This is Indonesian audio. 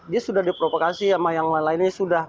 dia sudah diprovokasi sama yang lainnya sudah